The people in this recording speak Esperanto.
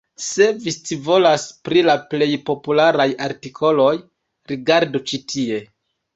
Se vi scivolas pri la plej popularaj artikoloj, rigardu ĉi tie.